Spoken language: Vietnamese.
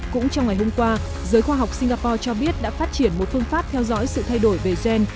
cũng trong ngày hôm qua giới khoa học singapore cho biết đã phát triển một phương pháp theo dõi sự thay đổi về gen